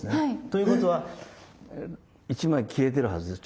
ということは１枚消えてるはずです。